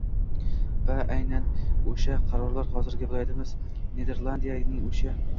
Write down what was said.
Va aynan o‘sha qarorlar hozirgi vaziyatimiz – Niderlandiyaning o‘sha –